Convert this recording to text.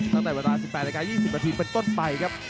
ตั้งแต่เวลา๑๘นาที๒๐นาทีเป็นต้นไปครับ